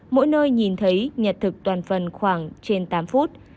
mỗi nơi nhìn thấy nhật thực toàn phần khoảng trên tám phút